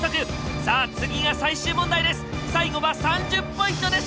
さあ次が最終問題です。